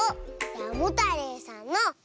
モタレイさんの「モ」！